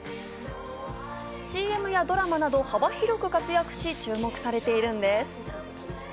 ＣＭやドラマなど幅広く活躍し注目されているんです。